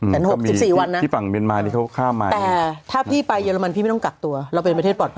แต่๖๔วันนะแต่ถ้าพี่ไปเยอรมันพี่ไม่ต้องกักตัวเราเป็นประเทศปลอดภัย